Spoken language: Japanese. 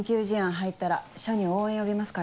入ったら署に応援呼びますから。